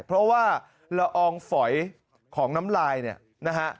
เพราะว่าละอองฝอยของน้ำลายเนี่ยนะฮะ